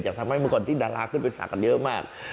อยากทำให้มันก่อนที่ดาราขึ้นไปศักดิ์กันเยอะมาก